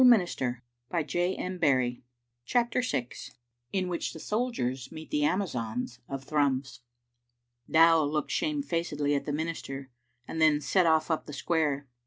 4 Digitized by VjOOQ IC CHAPTER VI, IN WHICH THE SOLDIERS MEET THE AMAZONS OF THRUMS. Dow looked shamefacedly at the minister, and then set ofiE up the square.